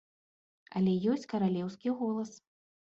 Але ёсць каралеўскі голас.